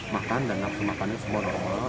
makan dan nafsu makannya semua normal